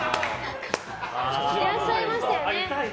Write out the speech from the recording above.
いらっしゃいましたよね。